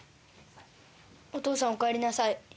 お父さんおかえりなさい。